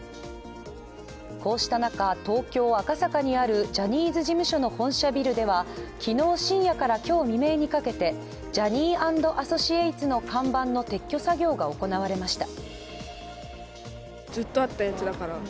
こうした中、東京・赤坂にあるジャニーズ事務所の本社ビルでは昨日深夜から今日未明にかけてＪｏｈｎｎｙ＆Ａｓｓｏｃｉａｔｅｓの看板の撤去作業が行われました。